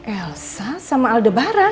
elsa sama aldebaran